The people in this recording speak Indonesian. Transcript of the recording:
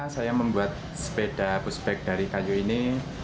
saya membuat sepeda pushback dari kayu ini